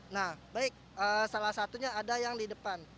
nah baik salah satunya ada yang di depan